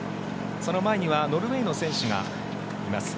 その前にはノルウェーの選手がいます。